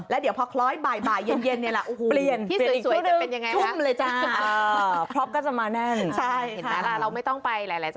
แล้วเดี๋ยวพอคล้อยบ่ายเย็นนี่แหละ